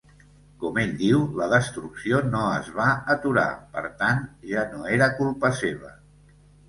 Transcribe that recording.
Com ell diu, la destrucció no es va aturar, per tant, ja no era culpa seva.